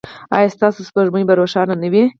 ایا ستاسو سپوږمۍ به روښانه نه وي؟